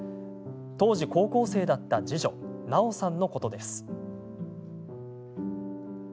当時、高校生だった次女・菜緒さんのことです。